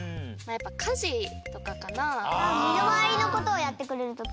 みのまわりのことをやってくれるとき。